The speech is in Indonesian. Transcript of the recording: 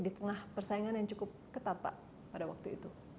di tengah persaingan yang cukup ketat pak pada waktu itu